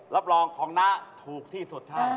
รับรองของน้าถูกที่สุดฮะ